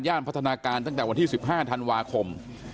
พัฒนาการตั้งแต่วันที่๑๕ธันวาคม